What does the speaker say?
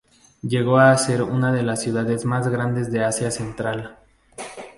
Llegó a ser una de las ciudades más grandes de Asia Central.